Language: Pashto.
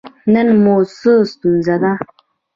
نن مو څه ستونزه ده؟